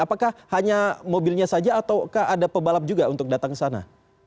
apakah hanya mobilnya saja ataukah ada pebalap juga untuk datang ke sana